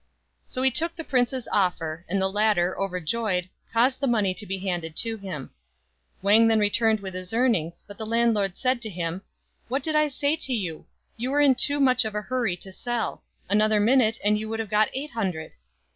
So he took the prince's offer, and the latter, overjoyed, caused the money to be handed to him. Wang then returned with his earnings ; FROM A CHINESE STUDIO. 75 but the landlord said to him, "What did I say to you? You were in too much of a hurry to sell. Another minute, and you would have got eight hundred."